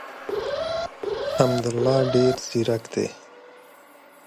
حمدالله ډېر زیرک دی.